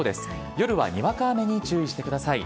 夜はにわか雨に注意してください。